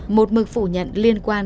một mực phủ nhận liên quan